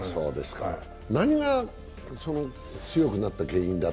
何が強くなった原因だと？